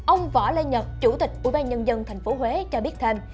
ông võ lê nhật chủ tịch ubnd tp huế cho biết thêm